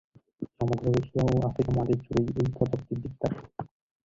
সমগ্র এশিয়া ও আফ্রিকা মহাদেশ জুড়েই এই প্রজাপতির বিস্তার।